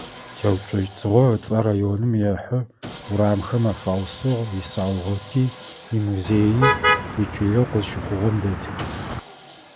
Теуцожь Цыгъо ыцӀэ районым ехьы, урамхэм афаусыгъ, исаугъэти, имузеий ичылэу къызщыхъугъэм дэтых.